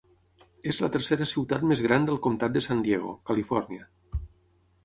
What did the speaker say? És la tercera ciutat més gran del comtat de San Diego, Califòrnia.